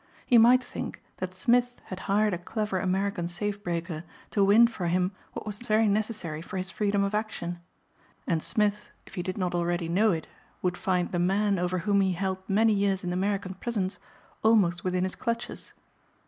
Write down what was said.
He might think that Smith had hired a clever American safe breaker to win for him what was very necessary for his freedom of action. And Smith, if he did not already know it, would find the man over whom he held many years in American prisons almost within his clutches.